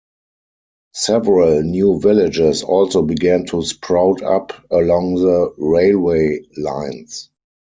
Several new villages also began to sprout up along the railway lines.